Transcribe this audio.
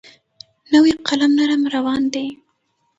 نوی قلم نرم روان وي.